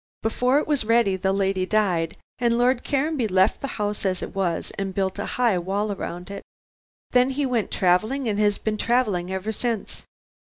Before it was ready the lady died and Lord Caranby left the house as it was and built a high wall round it. He then went travelling and has been travelling ever since.